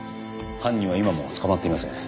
犯人は今も捕まっていません。